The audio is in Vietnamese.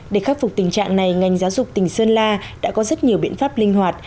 để khắc phục tình trạng này ngành giáo dục tỉnh sơn la đã có rất nhiều biện pháp linh hoạt